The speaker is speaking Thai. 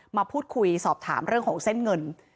มาพูดคุยสอบถามเรื่องของเส้นเงิน